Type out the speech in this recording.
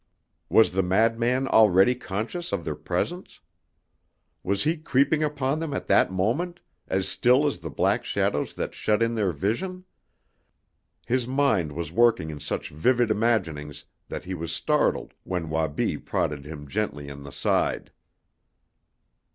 Was the madman already conscious of their presence? Was he creeping upon them at that moment, as still as the black shadows that shut in their vision? His mind was working in such vivid imaginings that he was startled when Wabi prodded him gently in the side.